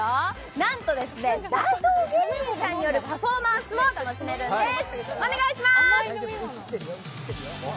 なんと、大道芸人さんによるパフォーマンスも楽しめるんです。